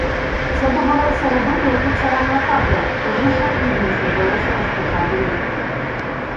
Це довелося робити офіцерам на катерах, тож лише опівночі вдалося розпочати рух.